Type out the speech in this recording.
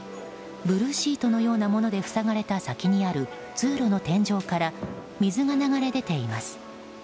ブルーシートのようなもので塞がれた先にある通路の天井から水が流れ出ています。